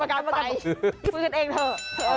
กรรมการบอกว่าคุยกันเองเถอะ